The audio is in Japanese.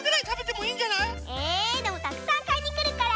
えでもたくさんかいにくるから。